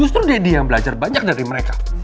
justru deddy yang belajar banyak dari mereka